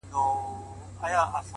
چا یې نه سوای د قدرت سیالي کولای-